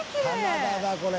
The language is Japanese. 棚田だこれ。